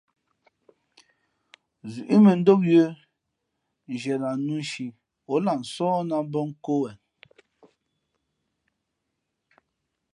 Zʉ̌ʼ mᾱndóm yə̌ nzhie lah nnū nshi ǒ lah nsóhnā bᾱ nkō wen.